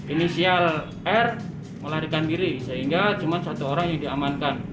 inisial r melarikan diri sehingga cuma satu orang yang diamankan